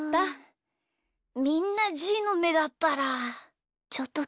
みんなじーのめだったらちょっときもちわるかった。